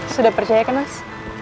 sudah percaya ke mas